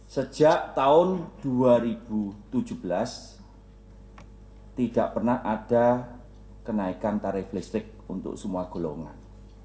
sejak tahun dua ribu tujuh belas tidak pernah ada kenaikan tarif listrik untuk semua golongan